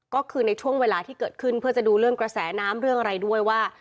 ก็คือในช่วงเวลาที่เกิดขึ้นเพื่อจะดูเรื่องกระแสน้ำเรื่องอะไรด้วยว่า